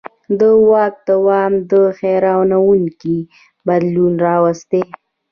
د واک دوام دا حیرانوونکی بدلون راوستی.